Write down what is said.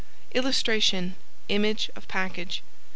] [Illustration: Image of package.